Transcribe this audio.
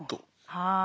はい。